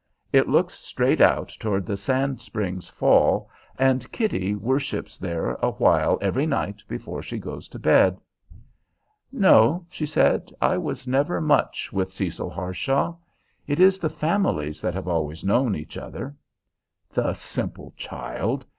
It looks straight out toward the Sand Springs Fall, and Kitty worships there awhile every night before she goes to bed. "No," she said. "I was never much with Cecil Harshaw. It is the families that have always known each other." The simple child!